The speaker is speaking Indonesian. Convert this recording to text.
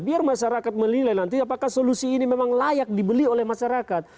biar masyarakat menilai nanti apakah solusi ini memang layak dibeli oleh masyarakat